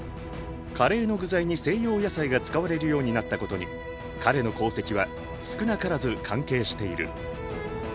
カレーの具材に西洋野菜が使われるようになったことに彼の功績は少なからず関係している。